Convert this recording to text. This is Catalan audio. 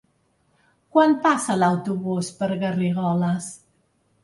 Quan passa l'autobús per Garrigoles?